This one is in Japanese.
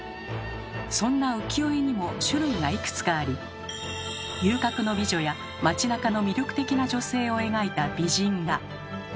そんな浮世絵にも種類がいくつかあり遊郭の美女や町なかの魅力的な女性を描いた「美人画」